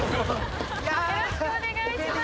よろしくお願いします。